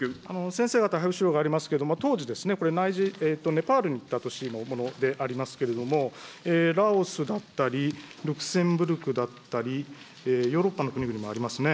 先生方、配付資料がありますけれども、当時、これ、ネパールに行った年のものでありますけれども、ラオスだったり、ルクセンブルクだったり、ヨーロッパの国々もありますね。